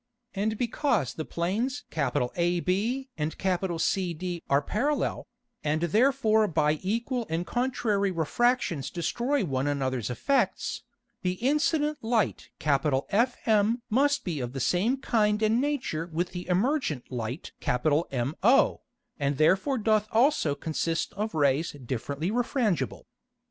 And because the Planes AB and CD are parallel, and therefore by equal and contrary Refractions destroy one anothers Effects, the incident Light FM must be of the same Kind and Nature with the emergent Light MO, and therefore doth also consist of Rays differently refrangible.